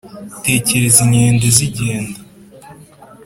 tekereza inkende zigenda